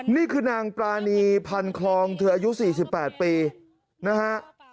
นี่คือนางปรานีพันคลองเธออายุ๔๘ปีนะฮะ